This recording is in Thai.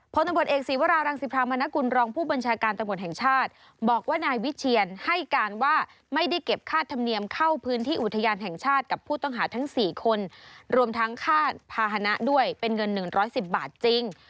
พลตำรวจเอกศีวรารังสิพรามนกุลรองผู้บัญชาการตำรวจแห่งชาติบอกว่านายวิเชียนให้การว่าไม่ได้เก็บค่าธรรมเนียมเข้าพื้นที่อุทยานแห่งชาติกับผู้ต้องหาทั้ง๔คนรวมทั้งค่าภาษณะด้วยเป็นเงิน๑๑๐บาทจริง